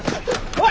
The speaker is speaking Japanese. おい！